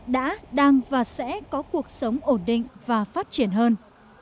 đã đang và sẽ có cuộc sống ổn định và phát triển hơn